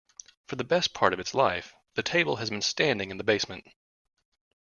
For the best part of its life, the table has been standing in the basement.